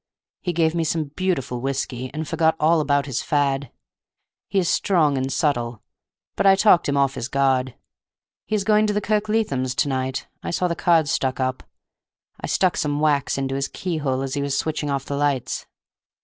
He gave me some beautiful whiskey, and forgot all about his fad. He is strong and subtle, but I talked him off his guard. He is going to the Kirkleathams' to night—I saw the card stuck up. I stuck some wax into his keyhole as he was switching off the lights."